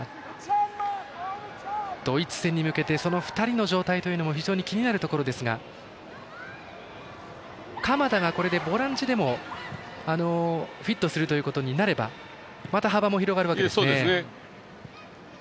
ドイツ戦に向けて２人の状態も気になるところですが鎌田もボランチでフィットするということになればまた幅も広がるわけですね。